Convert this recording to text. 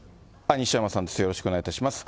西山さんです、よろしくお願いいたします。